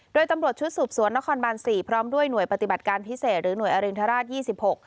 โดยตำรวจชุดสืบสวนนครบานสี่พร้อมด้วยหน่วยปฏิบัติการพิเศษหรือหน่วยอรินทราชยี่สิบหก